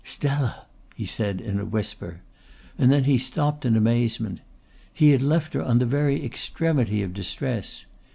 "Stella!" he said in a whisper, and then he stopped in amazement. He had left her on the very extremity of distress.